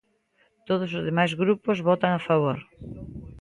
Todos os demais grupos votan a favor.